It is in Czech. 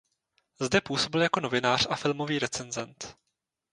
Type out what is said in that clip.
Zde působil jako novinář a filmový recenzent.